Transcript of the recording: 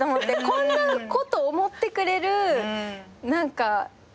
こんなこと思ってくれる子が。